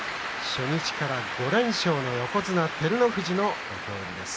初日から５連勝の横綱照ノ富士の土俵入りです。